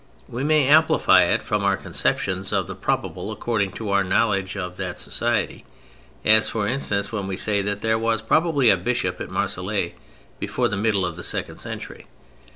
We may amplify it from our conceptions of the probable according to our knowledge of that society—as, for instance, when we say that there was probably a bishop at Marseilles before the middle of the second century.